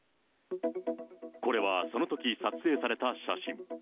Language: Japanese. これはそのとき撮影された写真。